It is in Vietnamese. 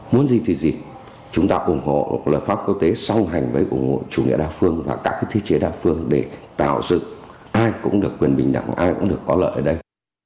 muốn gì thì gì chúng ta ủng hộ luật pháp quốc tế sau hành với ủng hộ chủ nghĩa đa phương và các cái thiết chế đa phương để tạo sự ai cũng được quyền bình đẳng ai cũng được có lợi ở đây